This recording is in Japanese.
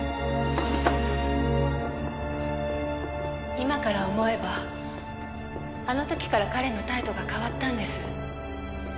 今から思えばあの時から彼の態度が変わったんです。